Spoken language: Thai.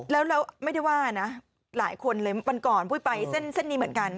แล้วไม่ว่าร้ายคนเลยวันก่อนไปเส้นนี้เหมือนกัน